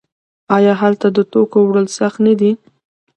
آیا هلته د توکو وړل سخت نه دي؟